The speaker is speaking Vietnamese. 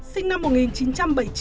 sinh năm một nghìn chín trăm bảy mươi chín